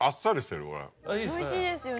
おいしいですよね。